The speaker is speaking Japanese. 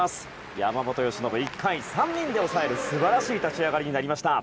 山本由伸は１回を３人で抑える素晴らしい立ち上がりになりました。